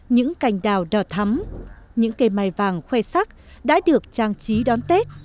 những cành đào đỏ thắm những cây mài vàng khoe sắc đã được trang trí đón tết